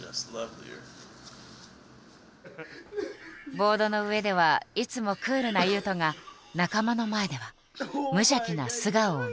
ボードの上ではいつもクールな雄斗が仲間の前では無邪気な素顔を見せる。